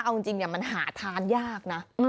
เอาจริงมันหาทานยากนะ